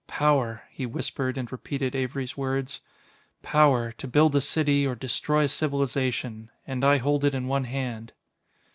"Power," he whispered and repeated Avery's words; "power, to build a city or destroy a civilization ... and I hold it in one hand."